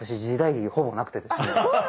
時代劇ほぼなくてですね。